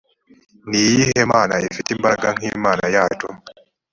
ni iyihe mana ifite imbaraga nk imana yacu